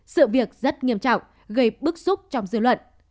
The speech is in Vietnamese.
sự việc rất nghiêm trọng gây bức xúc trong dư luận